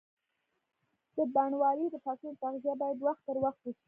د بڼوالۍ د فصلونو تغذیه باید وخت پر وخت وشي.